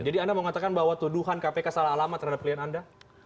jadi anda mau mengatakan bahwa tuduhan kpk salah alamat terhadap pilihan anda